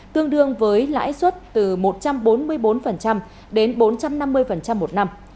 tương đương với lãi suất từ một trăm bốn mươi bốn đến bốn trăm năm mươi một năm